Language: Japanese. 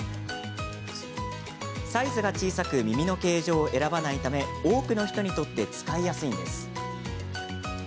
サイズが小さく耳の形状を選ばないため多くの人にとって使いやすいんです。